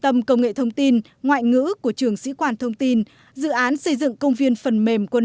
tâm công nghệ thông tin ngoại ngữ của trường sĩ quan thông tin dự án xây dựng công viên phần mềm quân